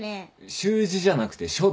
習字じゃなくて書道な。